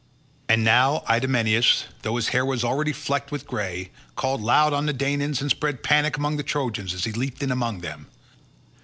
And now Idomeneus, though his hair was already flecked with grey, called loud on the Danaans and spread panic among the Trojans as he leaped in among them.